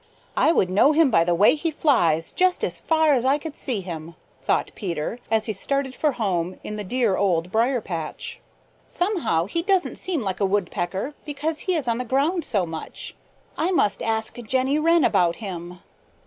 "I would know him by the way he flies just as far as I could see him," thought Peter, as he started for home in the dear Old Briar patch. "Somehow he doesn't seem like a Woodpecker because he is on the ground so much. I must ask Jenny Wren about him."